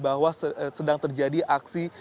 bahwa sedang terjadi aksi